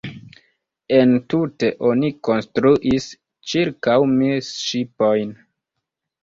Entute oni konstruis ĉirkaŭ mil ŝipojn.